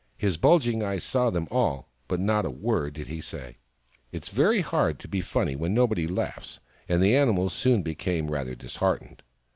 His bulging eyes saw them all, but not a word did he say. It is very hard to be funny when nobody laughs, and the animals soon became rather disheartened.